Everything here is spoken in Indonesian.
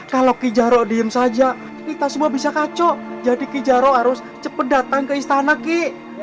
kalau kijaro diem saja kita semua bisa kaco jadi kijaro harus cepet datang ke istana ki